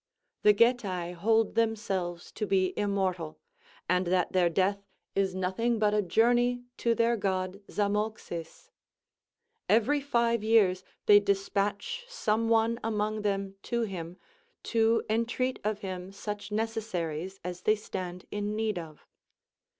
The Getæ hold themselves to be immortal, and that their death is nothing but a journey to their god Zamolxis. Every five years they dispatch some one among them to him, to entreat of him such necessaries as they stand in need of.